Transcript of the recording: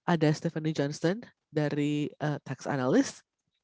ada stephanie johnson dari tax analyst